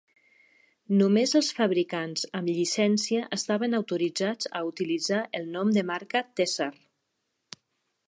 Només els fabricants amb llicència estaven autoritzats a utilitzar el nom de marca "Tessar".